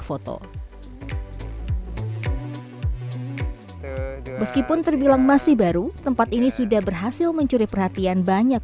foto meskipun terbilang masih baru tempat ini sudah berhasil mencuri perhatian banyak